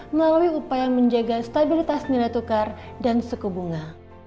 melalui upaya menjaga stabilitas nilai tukar dan suku bunga